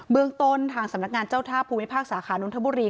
เมืองต้นทางสำนักงานเจ้าท่าภูมิภาคสาขานนทบุรี